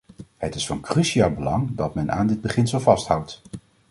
Het is van cruciaal belang dat men aan dat beginsel vasthoudt.